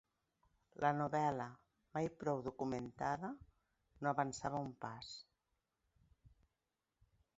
La novel·la, mai prou documentada, no avançava un pas;